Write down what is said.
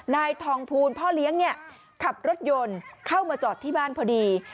นายทองภูลพ่อเลี้ยงขับรถยนต์เข้ามาจอดที่บ้านพอดี